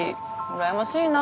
羨ましいな。